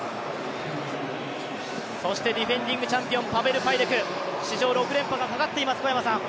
そしてディフェンディングチャンピオン、パベル・ファイデク、史上６連覇がかかっています、小山さん。